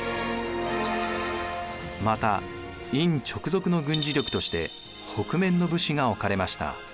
また院直属の軍事力として北面の武士が置かれました。